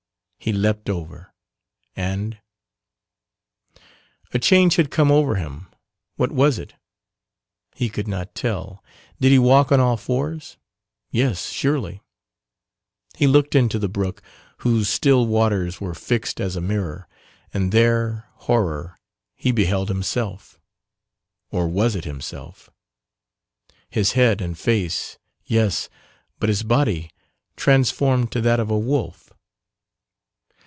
He leapt over and A change had come over him what was it? He could not tell did he walk on all fours? Yes surely. He looked into the brook, whose still waters were fixed as a mirror, and there, horror, he beheld himself; or was it himself? His head and face, yes; but his body transformed to that of a wolf.